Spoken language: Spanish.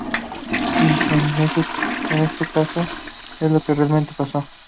Y, en este caso, es lo que realmente pasó.